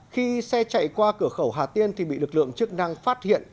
khi xe chạy qua cửa khẩu hà tiên thì bị lực lượng chức năng phát hiện